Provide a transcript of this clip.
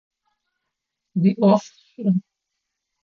Уиӏоф шӏу!